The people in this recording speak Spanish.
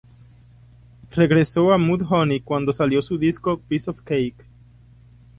Regresó a Mudhoney cuando salió su disco Piece of Cake.